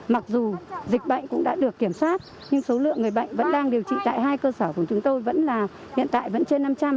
mặc dù dịch bệnh cũng đã được kiểm soát nhưng số lượng người bệnh vẫn đang điều trị tại hai cơ sở của chúng tôi vẫn là hiện tại vẫn trên năm trăm linh